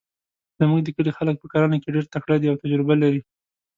زموږ د کلي خلک په کرنه کې ډیرتکړه ده او تجربه لري